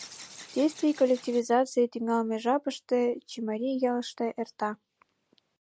Действий коллективизаций тӱҥалме жапыште чимарий ялыште эрта.